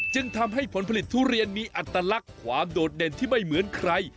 จึงทำให้ผลผลิตทุเรียนมีอัตลักษณ์ความโดดเด่นที่ไม่เหมือนใคร